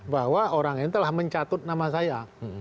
bahwa orang ini telah mencatut nama saya